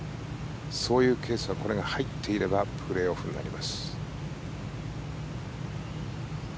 そういうケースがこれが入っていればプレーオフになります。